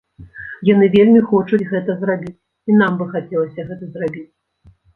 Яны вельмі хочуць гэта зрабіць, і нам бы хацелася гэта зрабіць.